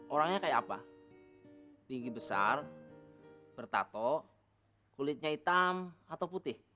orangnya kayak apa tinggi besar bertato kulitnya hitam atau putih